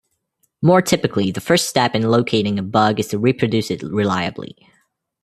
More typically, the first step in locating a bug is to reproduce it reliably.